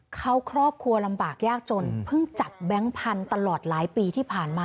เขาครอบครัวลำบากยากจนเพิ่งจับแบงค์พันธุ์ตลอดหลายปีที่ผ่านมา